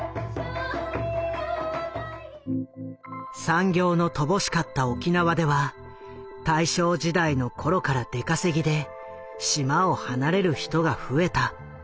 産業の乏しかった沖縄では大正時代の頃から出稼ぎで島を離れる人が増えた。